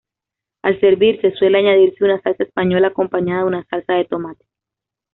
Al servirse suele añadirse una salsa española acompañada de una salsa de tomate.